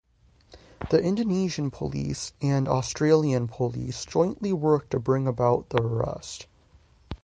The Indonesian police and Australian police jointly worked to bring about the arrest.